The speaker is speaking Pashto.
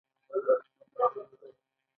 کرکیله او مالداري د ښځینه وو لخوا کیدله.